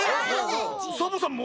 サボさんも？